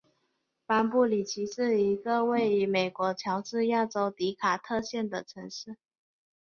班布里奇是一个位于美国乔治亚州迪卡特县的城市。